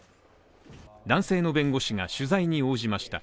男性の弁護士が取材に応じました。